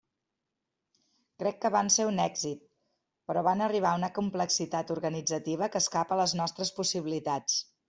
Crec que van ser un èxit, però van arribar a una complexitat organitzativa que escapa a les nostres possibilitats.